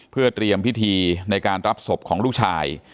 เพื่อเตรียมพิธีในการรับศพของลูกชาย